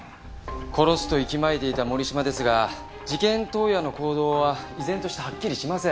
殺すと息巻いていた森島ですが事件当夜の行動は依然としてはっきりしません。